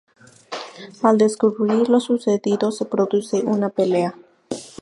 Al descubrir lo sucedido, se produce una pelea.